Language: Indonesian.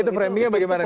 itu framingnya bagaimana